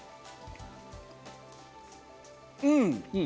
うん。